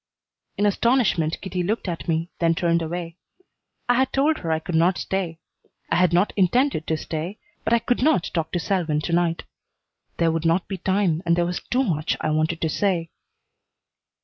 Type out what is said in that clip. In astonishment Kitty looked at me, then turned away. I had told her I could not stay. I had not intended to stay, but I could not talk to Selwyn to night. There would not be time and there was too much I wanted to say.